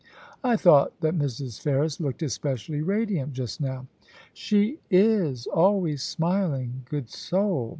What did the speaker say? ' I thought that Mrs. Ferris looked especially radiant just now.' * She is always smiling, good soul